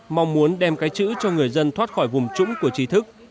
mong muốn đem cái chữ cho người dân thoát khỏi vùng trũng của trí thức